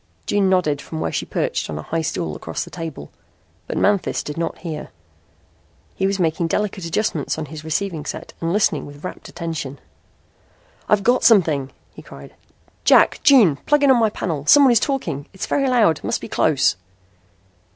June nodded from where she perched on a high stool across the table. But Manthis did not hear. He was making delicate adjustments on his receiving set and listening with rapt attention. "I've got something," he cried. "Jack. June. Plug in on my panel. Someone is talking. It's very loud. Must be close."